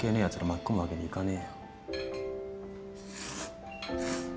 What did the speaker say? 巻き込むわけにいかねえよ。